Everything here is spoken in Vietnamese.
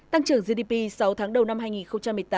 tăng trưởng gdp sáu tháng đầu năm hai nghìn một mươi tám